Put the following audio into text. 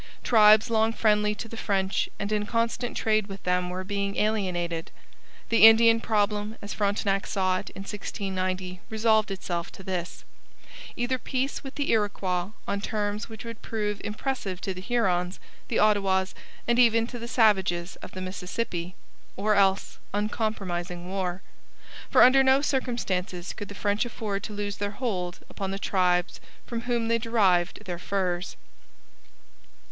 Tribes long friendly to the French and in constant trade with them were being alienated. The Indian problem as Frontenac saw it in 1690 resolved itself to this: either peace with the Iroquois on terms which would prove impressive to the Hurons, the Ottawas, and even to the savages of the Mississippi; or else uncompromising war. For under no circumstances could the French afford to lose their hold upon the tribes from whom they derived their furs.